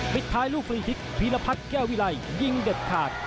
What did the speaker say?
ปิดท้ายลูกฟรีฮิตพีรพัฒน์แก้ววิไลยิงเด็ดขาด